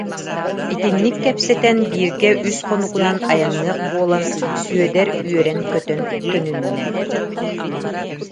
Итинник кэпсэтэн бииргэ үс хонугунан айанныах буолан Сүөдэр үөрэн-көтөн төнүннэ